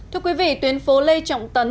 thưa quý vị tuyến phố lê trọng tấn